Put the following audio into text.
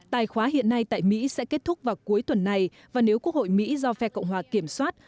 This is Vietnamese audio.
tài khoá hiện nay tại mỹ sẽ kết thúc vào cuối tuần này và nếu quốc hội mỹ do phe cộng hòa kiểm soát